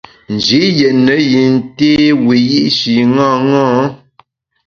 Nji yètne yin té wiyi’shi ṅaṅâ.